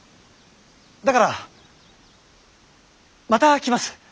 だからまた来ます。